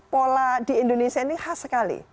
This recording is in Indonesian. pola di indonesia ini khas sekali